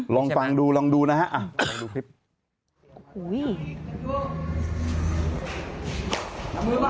ลองฟังดูลองดูนะครับ